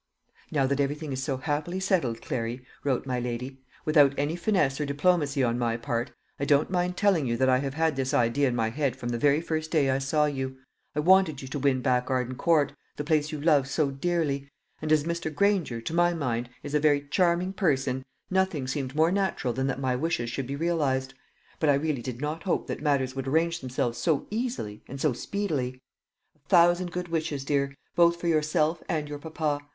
"Now that everything is so happily settled, Clary," wrote my lady, "without any finesse or diplomacy on my part, I don't mind telling you that I have had this idea in my head from the very first day I saw you. I wanted you to win back Arden Court, the place you love so dearly; and as Mr. Granger, to my mind, is a very charming person, nothing seemed more natural than that my wishes should be realised. But I really did not hope that matters would arrange themselves so easily and so speedily. A thousand good wishes, dear, both for yourself and your papa.